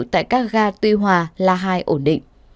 tại các ga tuy hòa la hai ổn định